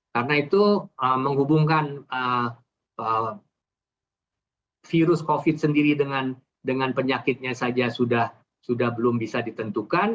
karena itu menghubungkan virus covid sendiri dengan penyakitnya saja sudah belum bisa ditentukan